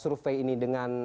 survei ini dengan